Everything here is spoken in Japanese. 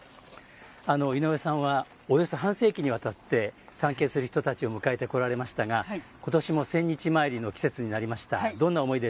井上さんはおよそ半世紀にわたって参詣する人たちを迎えてこられましたが今年も千日詣りの季節になりました。